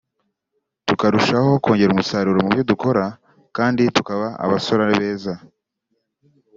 tukarushaho kongera umusaruro mubyo dukora kandi tukaba abasora beza